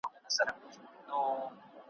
ځکه دا ټوټې بې شمېره دي لوېدلي ,